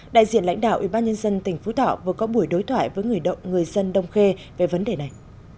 đại diện lãnh đạo ủy ban nhân dân tỉnh phú thọ vừa có buổi đối thoại với người dân đông khê về vấn đề này